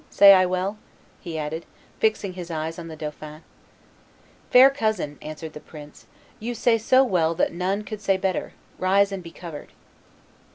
Say I well?" he added, fixing his eyes on the dauphin. "Fair cousin," answered the prince, "you say so well that none could say better; rise and be covered."